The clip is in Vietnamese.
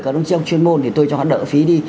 các đồng chí trong chuyên môn thì tôi cho hắn đỡ phí đi